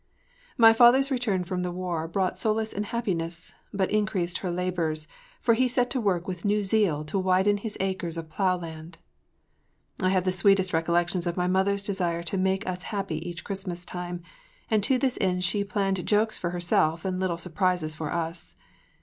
MY father’s return from the war brought solace and happiness, but increased her labors, for he set to work with new zeal to widen his acres of plow land. I have the sweetest recollections of my mother’s desire to make us happy each Christmas time, and to this end she planned jokes for herself and little surprises for us.